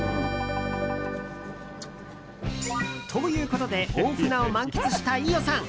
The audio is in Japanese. ということで大船を満喫した飯尾さん。